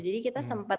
jadi kita sempat